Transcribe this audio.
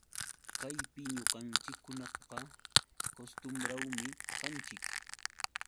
Kaypi ñuqanchikkunaqa kustumbrawmi kanchik